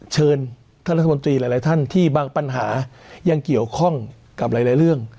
เชิญท่านรัฐมนตรีหลายท่านที่บางปัญหายังเกี่ยวข้องกับหลายเรื่อง